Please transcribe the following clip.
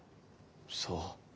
そう。